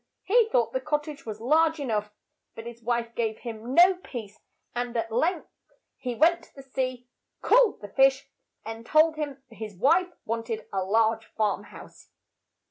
He thought the cot tage was large e nough, but his wife gave him no peace, and at length he went to the sea, called the fish, and told him his wife want ed a large farm house.